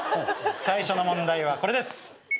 最初の問題はこれです。